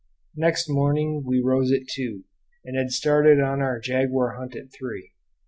Next morning we rose at two, and had started on our jaguar hunt at three.